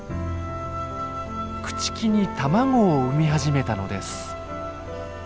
朽ち木に卵を産み始めたのです。